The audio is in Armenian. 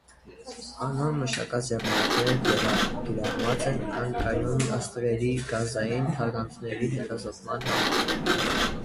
Անոր մշակած եղանակները կիրառուած են անկայուն աստղերու կազային թաղանթներու հետազօտման համար։